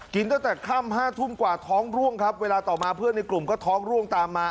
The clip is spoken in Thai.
ตั้งแต่ค่ำ๕ทุ่มกว่าท้องร่วงครับเวลาต่อมาเพื่อนในกลุ่มก็ท้องร่วงตามมา